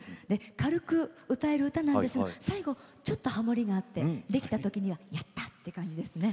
軽く歌える歌なんですが最後ちょっとハモリがあってできたときにはやったという感じですね。